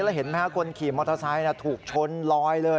แล้วเห็นไหมครับคนขี่มอเตอร์ไซค์ถูกชนลอยเลย